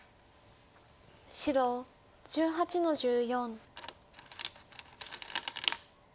白１８の十四。